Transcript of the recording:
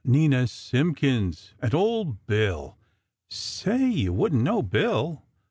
Nina Simpkins! and Old Bill. Say! You wouldn't know Bill!